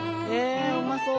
うまそう！